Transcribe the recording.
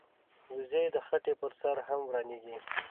وزې د خټې پر سر هم روانېږي